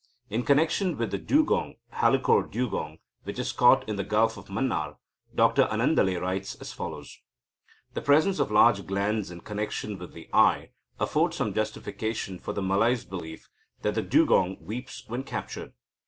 In connection with the dugong (Halicore dugong), which is caught in the Gulf of Manaar, Dr Annandale writes as follows : "The presence of large glands in connection with the eye afford some justification for the Malay's belief that the dugong weeps when captured.